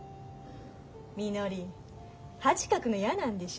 みのり恥かくの嫌なんでしょ。